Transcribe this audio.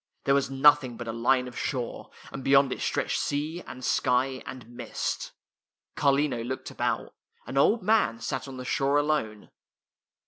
There was nothing but a line of shore, and beyond it stretched sea, and sky, and mist. Carlino looked about. An old man sat on the shore alone.